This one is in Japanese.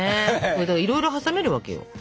いろいろ挟めるわけよ。